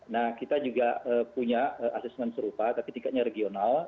nah kita juga punya assessment serupa tapi tiketnya regional